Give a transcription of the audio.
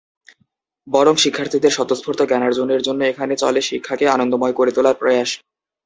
বরং শিক্ষার্থীদের স্বতঃস্ফূর্ত জ্ঞানার্জনের জন্য এখানে চলে শিক্ষাকে আনন্দময় করে তোলার প্রয়াস।